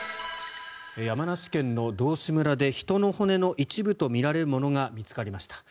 山梨県の道志村で人の骨の一部とみられるものが見つかりました。